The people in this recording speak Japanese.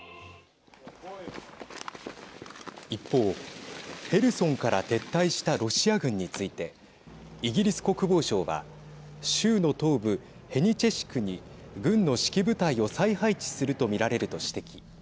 一方、ヘルソンから撤退したロシア軍についてイギリス国防省は州の東部ヘニチェシク地区に軍の指揮部隊を再配置すると見られると指摘。